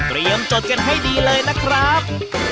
เตรียมจดกันให้ดีเลยนะครับ